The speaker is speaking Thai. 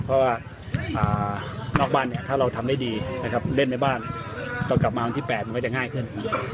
เพราะว่านอกบ้านเนี่ยถ้าเราทำได้ดีนะครับเล่นในบ้านตอนกลับมาวันที่๘มันก็จะง่ายขึ้น